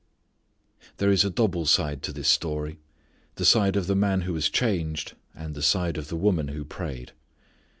There is a double side to this story. The side of the man who was changed, and the side of the woman who prayed.